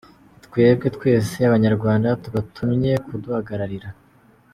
Ni twebwe, twese Abanyarwanda tubatumye kuduhagararira’.